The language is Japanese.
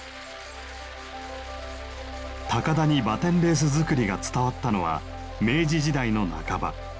高田にバテンレース作りが伝わったのは明治時代の半ば。